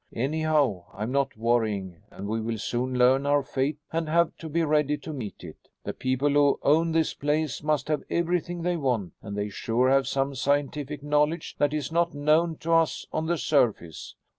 Anyhow, I'm not worrying, and we will soon learn our fate and have to be ready to meet it. The people who own this place must have everything they want, and they sure have some scientific knowledge that is not known to us on the surface."